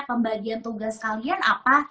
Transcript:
pembagian tugas kalian apa